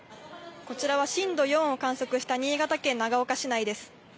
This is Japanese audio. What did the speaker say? こちらは震度４を観測した新潟県長岡市内です。